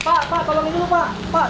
pak pak tolong ini dulu pak pak